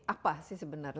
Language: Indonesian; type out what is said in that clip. apa sih sebenarnya